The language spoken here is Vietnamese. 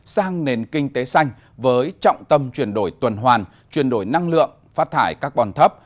sang nền kinh tế xanh với trọng tâm chuyển đổi tuần hoàn chuyển đổi năng lượng phát thải carbon thấp